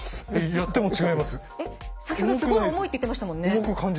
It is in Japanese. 先ほどすごい重いって言ってましたもんね。